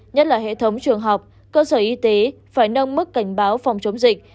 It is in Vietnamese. nhất là hệ thống trường học cơ sở y tế phải nâng mức cảnh báo phòng chống dịch